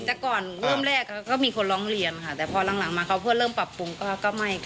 แต่ก่อนเริ่มแรกก็มีคนร้องเรียนค่ะแต่พอหลังมาเขาเพื่อเริ่มปรับปรุงก็ไม่ค่ะ